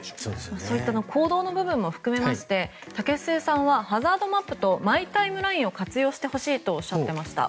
そういった行動の部分も含めまして武居さんはハザードマップとマイ・タイムラインを活用してほしいとおっしゃっていました。